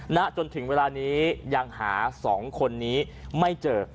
ณจนถึงเวลานี้ยังหา๒คนนี้ไม่เจอ